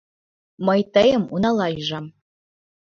Мый тыйым унала ӱжам.